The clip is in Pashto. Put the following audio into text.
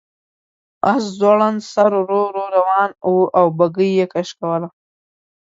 آس ځوړند سر ورو ورو روان و او بګۍ یې کش کوله.